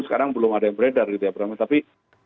sekarang belum ada yang beredar gitu ya bram tapi